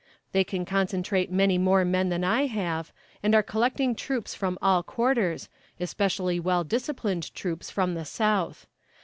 They can concentrate many more men than I have, and are collecting troops from all quarters, especially well disciplined troops from the South.